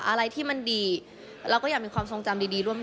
อะไรที่มันดีเราก็อยากมีความทรงจำดีร่วมกัน